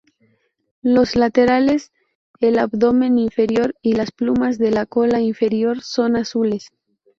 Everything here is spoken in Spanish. Los laterales, el abdomen inferior y las plumas de la cola inferior son azules.